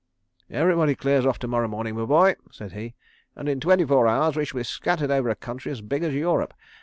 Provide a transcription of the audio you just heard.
"Everybody clears off to morrow morning, my boy," said he, "and in twenty four hours we shall be scattered over a country as big as Europe.